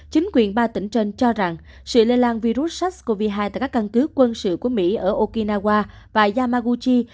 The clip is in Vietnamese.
chính quyền ba tỉnh trên cho rằng sự lây lan virus sars cov hai tại các căn cứ quân sự của mỹ ở okinawa và yamaguchi